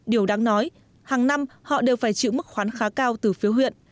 điều đáng nói hàng năm họ đều phải chịu mức khoán khá cao từ phía huyện